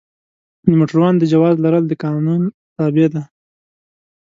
د موټروان د جواز لرل د قانون تابع ده.